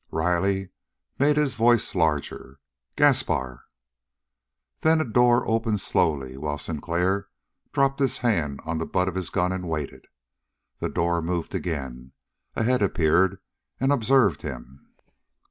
Riley made his voice larger. "Gaspar!" Then a door opened slowly, while Sinclair dropped his hand on the butt of his gun and waited. The door moved again. A head appeared and observed him.